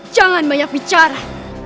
jangan banyak bicara